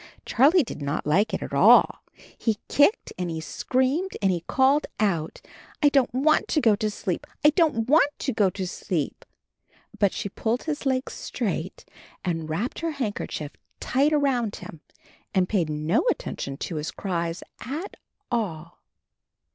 Charlie did not hke it at all. He kicked and he screamed, and he called out, 'T don't want to go to sleep; I don't want to go to sleep." But she pulled his legs straight and wrapped her handkerchief tight around him and paid no attention to his cries at all.